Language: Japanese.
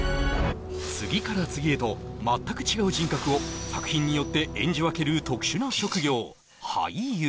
次から次へと全く違う人格を作品によって演じ分ける特殊な職業俳優